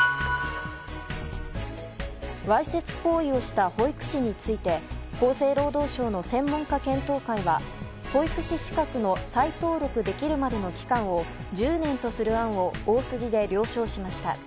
わいせつ行為をした保育士について厚生労働省の専門家検討会は保育士資格の再登録できるまでの期間を１０年とする案を大筋で了承しました。